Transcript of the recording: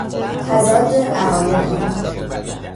تضاد عقاید آنها